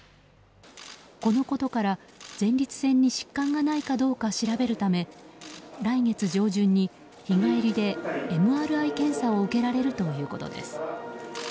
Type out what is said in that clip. このことから前立腺に疾患がないかどうか調べるため来月上旬に日帰りでＭＲＩ検査を受けられるということです。